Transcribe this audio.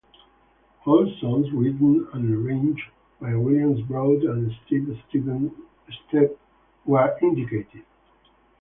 All songs written and arranged by William Broad and Steve Stevens except where indicated.